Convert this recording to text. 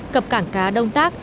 cập cảng cá đông tác